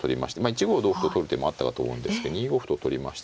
１五同歩と取る手もあったかと思うんですけど２五歩と取りまして。